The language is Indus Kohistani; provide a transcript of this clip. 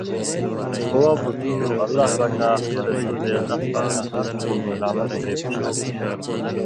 وہ پُڇُو اللہ پاکاں آخری رسولے اللہ پاکاں ہر حکم تل عمل کرے پشاچے۔